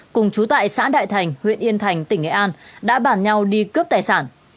cùng chú tại xã đại thành huyện yên thành tỉnh nghệ an đã bàn nhau đi cướp tài sản